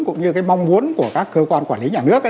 cũng như cái mong muốn của các cơ quan quản lý nhà nước